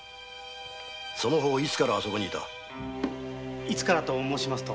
その方いつからあそこにいた？と申しますと。